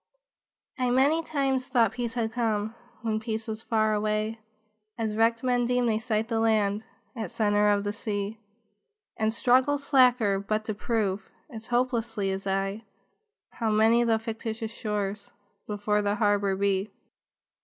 I many times thought peace had come, When peace was far away; As wrecked men deem they sight the land At centre of the sea, And struggle slacker, but to prove, As hopelessly as I, How many the fictitious shores Before the harbor lie.